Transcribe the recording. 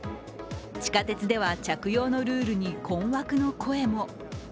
地下鉄では着用のルールに困惑の声も。